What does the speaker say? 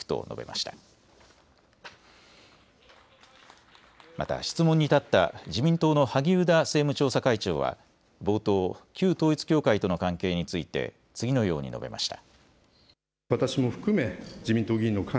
また質問に立った自民党の萩生田政務調査会長は冒頭旧統一教会との関係について次のように述べました。